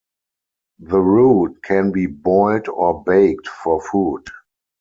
The root can be boiled or baked for food.